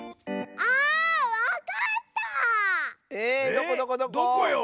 どこどこどこ⁉えどこよ？